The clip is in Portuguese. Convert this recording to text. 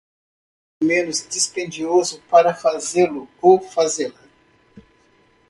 Qual o meio menos dispendioso para fazê-lo ou fazê-la?